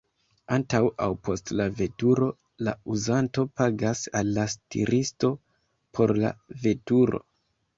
Antaŭ aŭ post la veturo la uzanto pagas al la stiristo por la veturo.